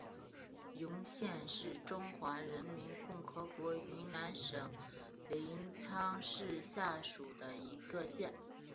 云县是中华人民共和国云南省临沧市下属的一个县。